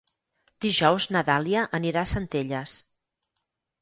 Dijous na Dàlia anirà a Centelles.